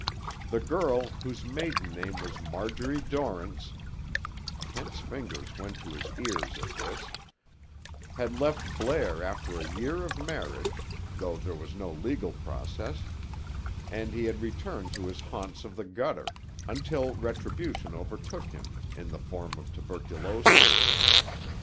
The girl, whose maiden name was Marjorie Dorrance—Kent's fingers went to his ear at this—had left Blair after a year of marriage, though there was no legal process, and he had returned to his haunts of the gutter, until retribution overtook him, in the form of tuberculosis.